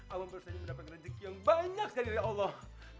allah baru saja mendapatkan rezeki yang banyak dari allah